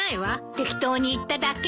適当に言っただけよ。